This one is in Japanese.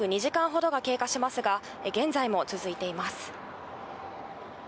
会見は、まもなく２時間ほどが経過しますが、現在も続いています。